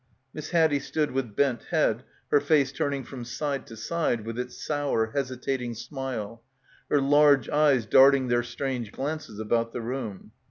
Miss Haddie stood with bent head, her face turning from side to side, with its sour hesitating smile, her large eyes darting their strange glances about the room.